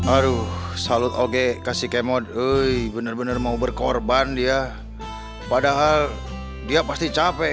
aduh salut oke kasih kemodi bener bener mau berkorban dia padahal dia pasti capek